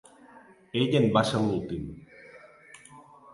Ell en va ser l'últim.